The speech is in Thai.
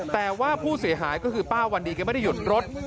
แต่ว่าผู้เสียหายก็คือป้าวันดีแกไม่ได้หยุดรถ